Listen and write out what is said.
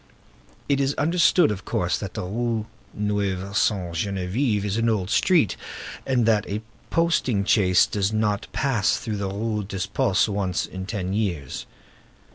It is understood, of course, that the Rue Neuve Sainte Geneviève is an old street, and that a posting chaise does not pass through the Rue des Postes once in ten years.